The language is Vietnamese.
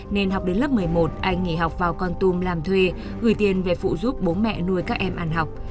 nên học đến lớp một mươi một anh nghỉ học vào con tum làm thuê gửi tiền về phụ giúp bố mẹ nuôi các em ăn học